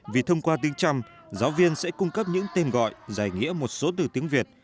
vì thông qua tiếng trăm giáo viên sẽ cung cấp những tên gọi giải nghĩa một số từ tiếng việt